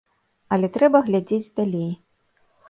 Але трэба глядзець далей.